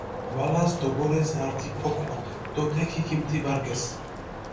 გვალას დოგორეს ართი ფოქვა დო თექი ქიმთიბარგესჷ.